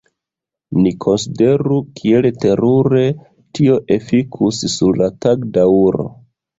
Ni konsideru kiel terure tio efikus sur la tagdaŭro.